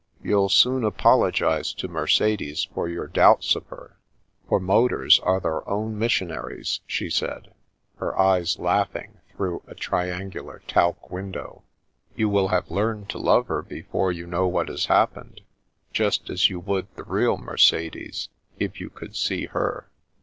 " You'll soon apologise to Mercedes for your doubts of her, for motors are their own mission aries," she said, her eyes laughing through a trian gular talc window. " You will have learned to love her before you know what has happened, just as you would the real Mercedes, if you could see her."